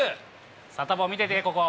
サタボー見てて、ここ。